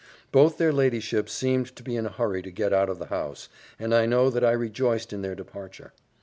Both their ladyships seemed to be in a hurry to get out of the house, and I know that I rejoiced in their departure.